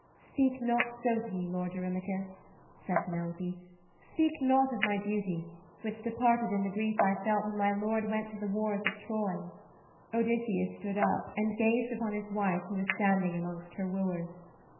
'Speak not so to me, lord Eurymachus,' said Penelope, 'speak not of my beauty, which departed in the grief I felt when my lord went to the wars of Troy.' Odysseus stood up, and gazed upon his wife who was standing amongst her wooers.